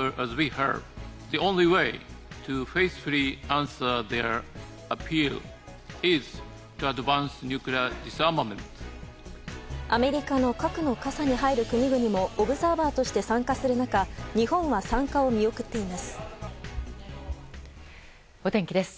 アメリカの核の傘に入る国々もオブザーバーとして参加する中日本は参加を見送っています。